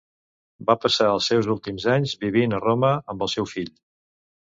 Va passar els seus últims anys vivint a Roma amb el seu fill.